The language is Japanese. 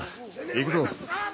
行くぞ。